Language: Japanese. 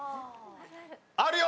あるよ！